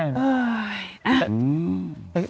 อร่อย